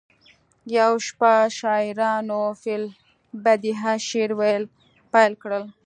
یوه شپه شاعرانو فی البدیهه شعر ویل پیل کړل